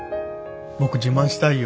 僕自慢したいよ